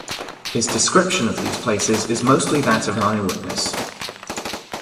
His description of these places is mostly that of an eyewitness.